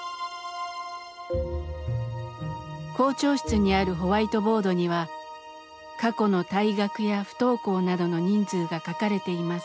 校長室にあるホワイトボードには過去の退学や不登校などの人数が書かれています。